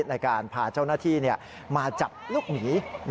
ในการพาเจ้าหน้าที่มาจับลูกหมี